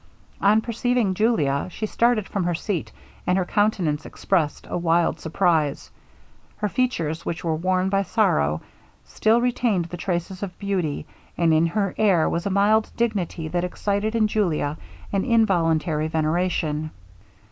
On perceiving Julia, she started from her seat, and her countenance expressed a wild surprise. Her features, which were worn by sorrow, still retained the traces of beauty, and in her air was a mild dignity that excited in Julia an involuntary veneration.